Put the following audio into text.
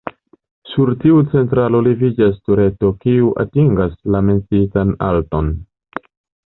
Sur tiu centralo leviĝas tureto, kiu atingas la menciitan alton.